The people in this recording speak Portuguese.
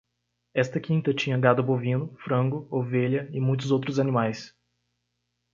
Esta quinta tinha gado bovino? frango? ovelha e muitos outros animais.